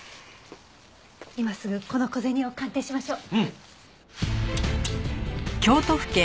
今すぐこの小銭を鑑定しましょう。